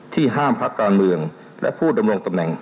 ห้ามพักการเมืองและผู้ดำรงตำแหน่ง